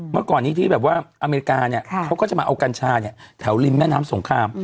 เมื่อก่อนนี้ที่แบบว่าอเมริกาเนี่ยเขาก็จะมาเอากัญชาเนี่ยแถวริมแม่น้ำสงคราม